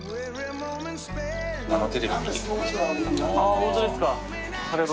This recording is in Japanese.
本当ですか！